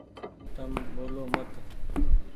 تم ٻولو مت ۔